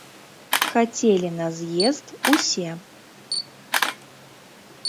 Хацелі на з'езд усе.